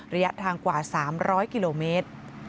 ระยะทางกว่า๓๐๐กิโลเมตร